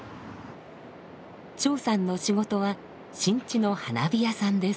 張さんの仕事は新地の花火屋さんです。